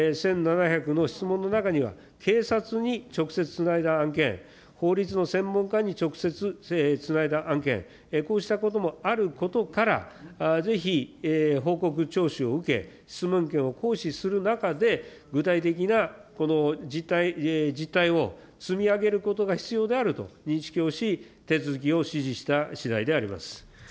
１７００の質問の中には、警察に直接つないだ案件、法律の専門家に直接つないだ案件、こうしたこともあることから、ぜひ報告徴収を受け、質問権を行使する中で、具体的な実態を積み上げることが必要であると認識をし、手続きを指示したしだいであります。